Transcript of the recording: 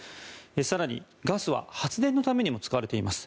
更にガスは発電のためにも使われています。